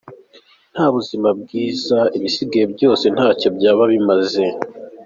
Nta buzima bwiza, ibisigaye byose ntacyo byaba bimaze.